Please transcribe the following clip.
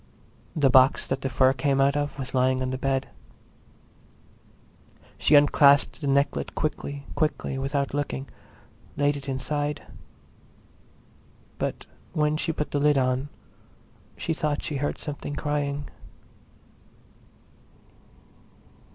The box that the fur came out of was on the bed. She unclasped the necklet quickly; quickly, without looking, laid it inside. But when she put the lid on she thought she heard something crying.